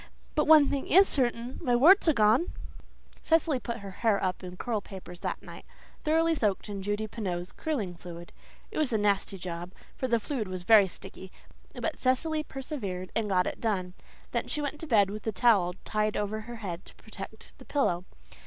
But one thing is certain my warts are gone." Cecily put her hair up in curl papers that night, thoroughly soaked in Judy Pineau's curling fluid. It was a nasty job, for the fluid was very sticky, but Cecily persevered and got it done. Then she went to bed with a towel tied over her head to protect the pillow.